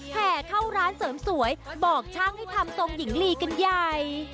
แห่เข้าร้านเสริมสวยบอกช่างให้ทำทรงหญิงลีกันใหญ่